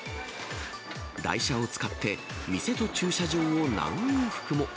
台車を使って店と駐車場を何往復も。